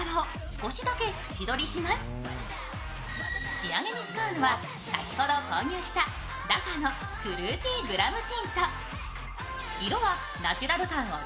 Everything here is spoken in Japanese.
仕上げに使うのは、先ほど購入したＬａｋａのフルーティーグラムティント。